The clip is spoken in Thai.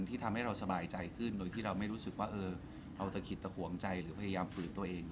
ที่ทำให้เราสบายใจขึ้นโดยที่เราไม่รู้สึกว่าเราตะขิดตะห่วงใจหรือพยายามฝืนตัวเอง